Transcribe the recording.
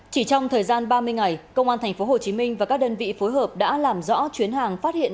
chỉ trong thời gian ba mươi ngày công an tp hcm và các đơn vị phối hợp đã làm rõ chuyến hàng phát hiện